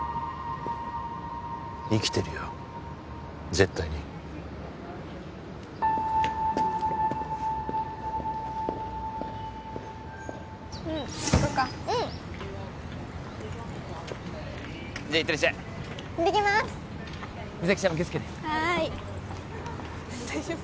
生きてるよ絶対に行こっかうんじゃあ行ってらっしゃい行ってきます実咲ちゃんも気をつけてはーい大丈夫？